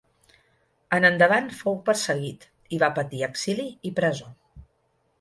En endavant fou perseguit, i va patir exili i presó.